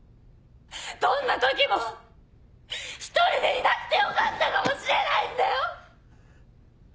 どんな時も一人でいなくてよかったかもしれないんだよ！